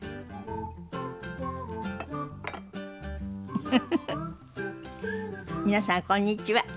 フフフフ皆さんこんにちは。